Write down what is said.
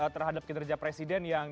terhadap kinerja presiden yang